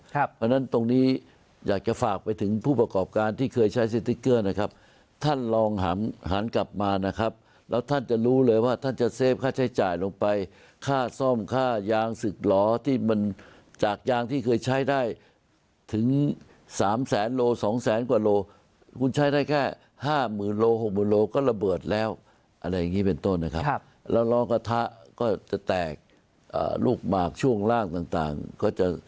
เพราะฉะนั้นตรงนี้อยากจะฝากไปถึงผู้ประกอบการที่เคยใช้สติ๊กเกอร์นะครับท่านลองหันกลับมานะครับแล้วท่านจะรู้เลยว่าท่านจะเฟฟค่าใช้จ่ายลงไปค่าซ่อมค่ายางศึกหลอที่มันจากยางที่เคยใช้ได้ถึงสามแสนโลสองแสนกว่าโลคุณใช้ได้แค่ห้าหมื่นโลหกหมื่นโลก็ระเบิดแล้วอะไรอย่างนี้เป็นต้นนะครับแล้วล้อกระทะก็จะแตกลูกหมากช่วงล่างต่างก็จะ